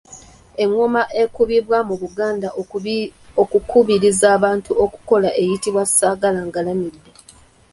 Engoma ekubibwa mu Buganda okukubiriza abantu okukola eyitibwa Ssaagalaagalamidde.